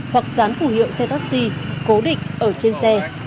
hoặc dán phủ hiệu xe taxi cố định ở trên xe